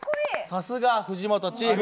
さすが藤本チーフ。